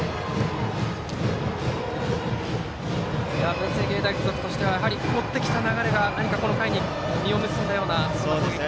文星芸大付属としてはやはり持ってきた流れが、何かこの回に実を結んだような攻撃になりました。